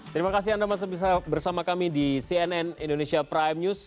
terima kasih anda masih bersama kami di cnn indonesia prime news